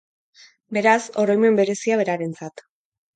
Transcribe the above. Beraz, oroimen berezia berarentzat.